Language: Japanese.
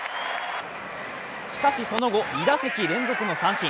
しかしその後、２打席連続の三振。